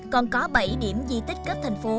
chỉ điểm di tích cấp thành phố